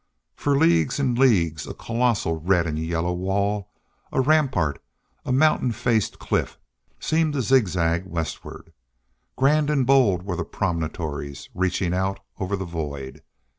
For leagues and leagues a colossal red and yellow wall, a rampart, a mountain faced cliff, seemed to zigzag westward. Grand and bold were the promontories reaching out over the void.